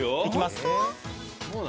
いきます。